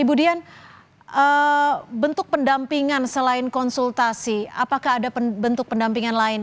ibu dian bentuk pendampingan selain konsultasi apakah ada bentuk pendampingan lain